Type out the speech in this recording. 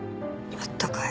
あったかい。